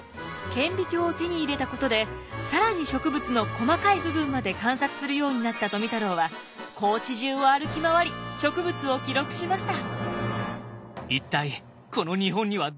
顕微鏡を手に入れたことで更に植物の細かい部分まで観察するようになった富太郎は高知中を歩き回り植物を記録しました。